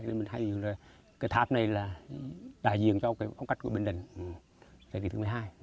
nên mình hay dùng là cái tháp này là đại diện cho cái phong cách của bình định cái kỷ thứ một mươi hai